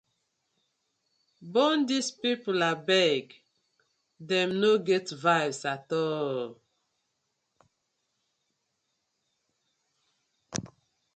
Bone dis pipu abeg, dem no get vibes atol.